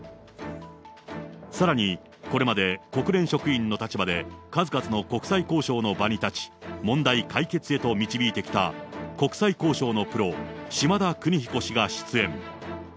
さらに、これまで国連職員の立場で数々の国際交渉の場に立ち、問題解決へと導いてきた、国際交渉のプロ、島田久仁彦氏が出演。